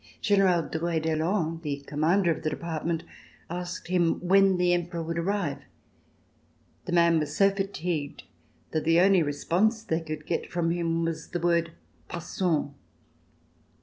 General Drouet d'Erlon, the Commander of the Department, asked him when the Emperor would arrive. The man was so fatigued that the only response they could get from him was the word: "Passons."